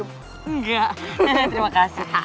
enggak terima kasih